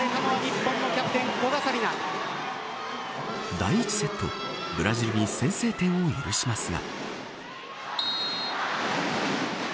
第１セットブラジルに先制点を許しますが。